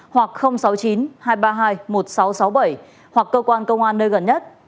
hoặc sáu mươi chín hai trăm ba mươi hai một nghìn sáu trăm sáu mươi bảy hoặc cơ quan công an nơi gần nhất